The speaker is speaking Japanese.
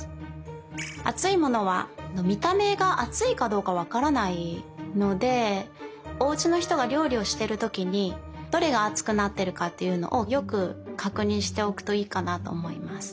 あついものはみためがあついかどうかわからないのでおうちのひとがりょうりをしてるときにどれがあつくなってるかっていうのをよくかくにんしておくといいかなとおもいます。